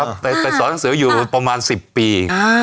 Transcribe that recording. ไปสอนหนังสืออยู่ประมาณ๑๐ปี